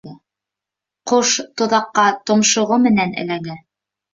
Ҡош тоҙаҡҡа томшоғо менән эләгә